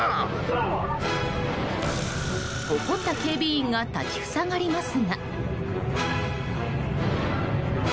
怒った警備員が立ち塞がりますが。